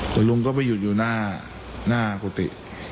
แต่ลุงก็ไปหยุดอยู่หน้ากุฏิ